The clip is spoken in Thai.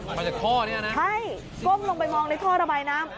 มาจากท่อนี้นะใช่ก้มลงไปมองในท่อระบายน้ำ